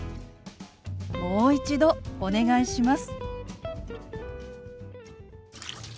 「もう一度お願いします」。